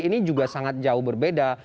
ini juga sangat jauh berbeda